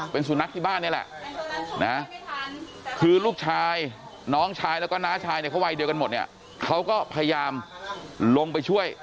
เป็นสุนัขที่บ้านนี่แหละนะคือลูกชายน้องชายแล้วก็น้าชายเนี่ยเขาวัยเดียวกันหมดเนี่ยเขาก็พยายามลงไปช่วย